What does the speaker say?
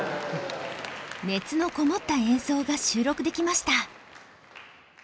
熱のこもった演奏が収録できました。